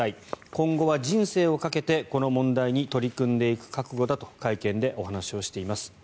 今後は人生をかけてこの問題に取り組んでいく覚悟だと会見でお話をしています。